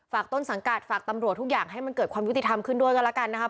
ต้นสังกัดฝากตำรวจทุกอย่างให้มันเกิดความยุติธรรมขึ้นด้วยกันแล้วกันนะครับ